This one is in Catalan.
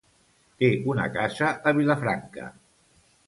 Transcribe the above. Té una casa a Vilafranca.